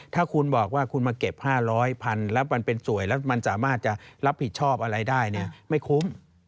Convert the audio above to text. ถ้าคุณบอกว่าคุณมาเก็บ๕๐๐พันแล้วมันเป็นสวยแล้วมันสามารถจะรับผิดชอบอะไรได้เนี่ยไม่คุ้ม